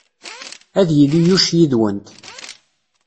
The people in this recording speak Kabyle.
Ad yili Yuc yid-went.